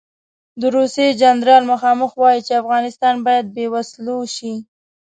د روسیې جنرال مخامخ وایي چې افغانستان باید بې وسلو شي.